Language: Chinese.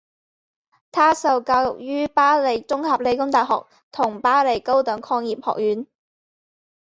他受教育于巴黎综合理工大学和巴黎高等矿业学院。